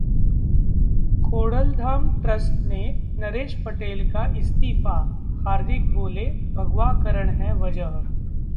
Khodaldham trust से नरेश पटेल का इस्तीफा, हार्दिक बोले- भगवाकरण है वजह